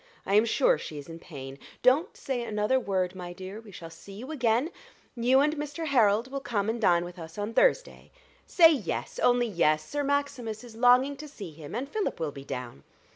I am sure she is in pain. Don't say another word, my dear we shall see you again you and Mr. Harold will come and dine with us on Thursday say yes, only yes. Sir Maximus is longing to see him: and Philip will be down."